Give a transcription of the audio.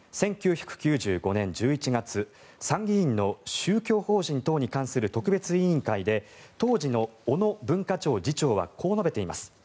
１９９５年１１月参議院の宗教法人等に関する特別委員会で当時の小野文化庁次長は河野ぼ得ています。